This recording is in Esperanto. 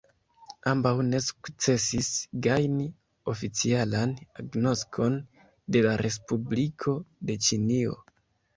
Ambaŭ ne sukcesis gajni oficialan agnoskon de la respubliko de Ĉinio.